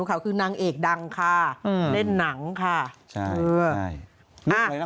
เหรอเค้าเป็นเน็ตแอดอายุ๙๐นะ